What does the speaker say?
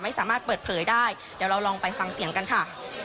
ไม่สามารถเปิดเผยได้เดี๋ยวเราลองไปฟังเสียงกันค่ะ